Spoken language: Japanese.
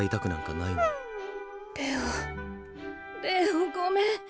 レオレオごめん。